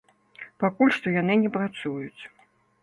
Пакуль што яны не працуюць.